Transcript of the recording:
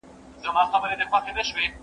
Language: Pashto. زه اوس سړو ته خواړه ورکوم؟!